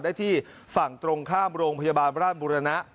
ได้ที่ฝั่งตรงข้ามโรงพยาบาลราชบุรณะ